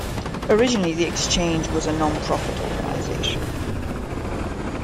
Originally, the exchange was a non-profit organization.